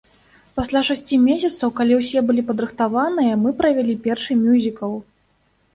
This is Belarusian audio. Пасля шасці месяцаў, калі ўсе былі падрыхтаваныя, мы правялі першы мюзікл.